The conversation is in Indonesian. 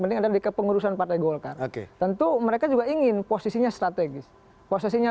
penting ada di kepengurusan partai golkar oke tentu mereka juga ingin posisinya strategis posisinya